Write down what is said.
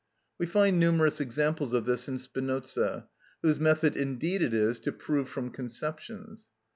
We find numerous examples of this in Spinoza, whose method indeed it is to prove from conceptions.